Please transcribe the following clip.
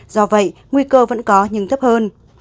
do vậy nguy cơ vẫn có nhưng thấp hơn